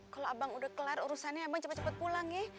kalau abang udah kelar urusannya abang cepet cepet pulang ya